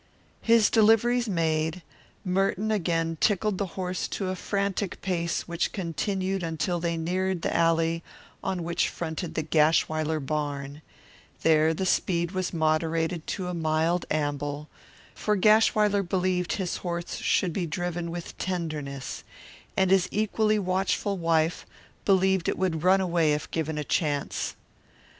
His deliveries made, Merton again tickled the horse to a frantic pace which continued until they neared the alley on which fronted the Gashwiler barn; there the speed was moderated to a mild amble, for Gashwiler believed his horse should be driven with tenderness, and his equally watchful wife believed it would run away if given the chance.